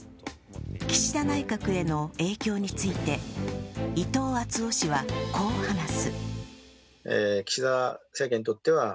岸田内閣への影響について、伊藤惇夫氏はこう話す。